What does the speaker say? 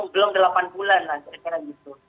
belum delapan bulan lah kira kira gitu